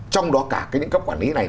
trong đó cả những cấp quản lý này